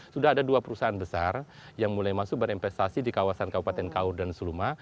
sudah ada dua perusahaan besar yang mulai masuk berinvestasi di kawasan kabupaten kaur dan suluma